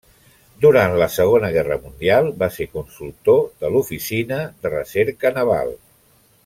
Durant la Segona Guerra Mundial va ser consultor de l'Oficina de Recerca Naval.